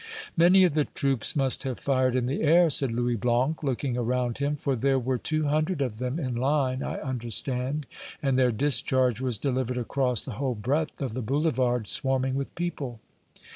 "Many of the troops must have fired in the air," said Louis Blanc, looking around him, "for there were two hundred of them in line, I understand, and their discharge was delivered across the whole breadth of the Boulevard swarming with people."